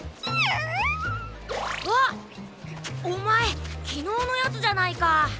わっ！お前昨日のヤツじゃないか。